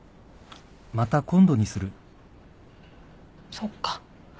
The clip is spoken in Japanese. そっか。